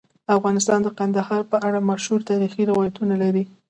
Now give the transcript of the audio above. افغانستان د کندهار په اړه مشهور تاریخی روایتونه لري.